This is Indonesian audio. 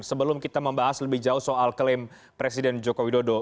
sebelum kita membahas lebih jauh soal klaim presiden joko widodo